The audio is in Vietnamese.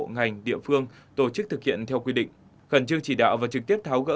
ngành địa phương tổ chức thực hiện theo quy định khẩn trương chỉ đạo và trực tiếp tháo gỡ